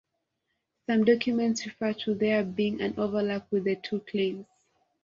Some documents refer to there being an overlap with the two claims.